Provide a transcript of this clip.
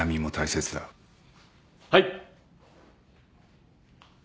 はい。